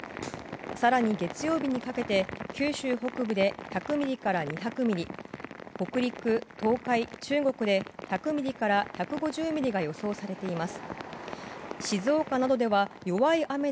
更に月曜日にかけて、九州北部で１００ミリから２００ミリ北陸、東海、中国で１００ミリから１５０ミリが予想されています。